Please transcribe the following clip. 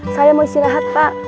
saya mau istirahat pak